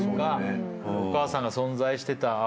お母さんが存在してた。